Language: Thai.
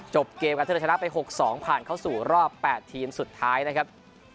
เกมการท่าเรือชนะไป๖๒ผ่านเข้าสู่รอบ๘ทีมสุดท้ายนะครับ